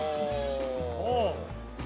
おお。